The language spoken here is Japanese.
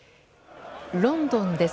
ロンドンです。